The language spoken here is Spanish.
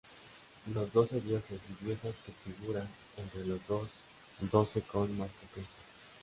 Los doce dioses y diosas que figuran entre los "doce" con más frecuencia.